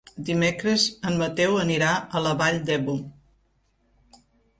Dimecres en Mateu anirà a la Vall d'Ebo.